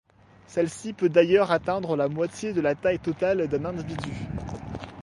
Celle-ci peut d'ailleurs atteindre la moitié de la taille totale d'un individu.